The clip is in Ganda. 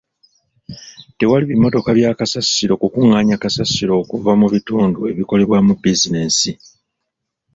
Tewali bimmotoka bya kasasiro kukungaanya kasasiro okuva mu bitndu ebikolebwamu bizinesi.